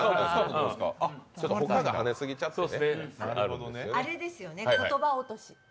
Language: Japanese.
他がはねすぎちゃってね。